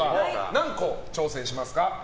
何個挑戦しますか？